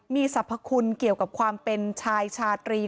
มีสรรพคุณเกี่ยวกับความเป็นชายชาตรี